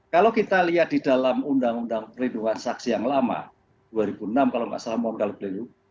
kalau kita lihat di dalam undang undang perlindungan saksi yang lama dua ribu enam kalau nggak salah modal